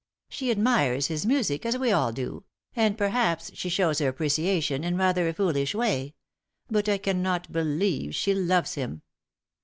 She admires his music, as we all do, and perhaps she shews her appreciation in rather a foolish way. But I cannot believe she loves him."